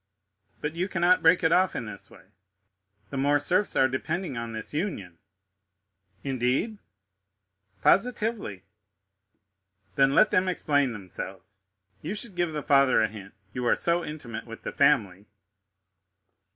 "But you cannot break it off in this way; the Morcerfs are depending on this union." "Indeed." "Positively." "Then let them explain themselves; you should give the father a hint, you are so intimate with the family."